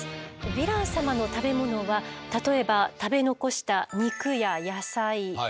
ヴィラン様の食べ物は例えば食べ残した肉や野菜。